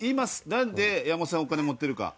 なんで山本さんがお金持ってるか。